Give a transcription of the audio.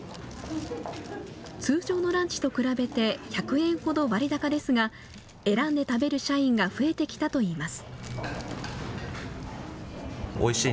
通常のランチと比べて１００円ほど割高ですが、選んで食べる社員が増えてきたといいます。